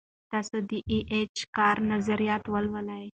تاسو د ای اېچ کار نظریات ولولئ.